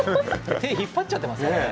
手を引っ張っちゃってますね。